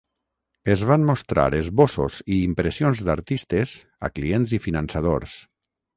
Es van mostrar esbossos i impressions d'artistes a clients i finançadors.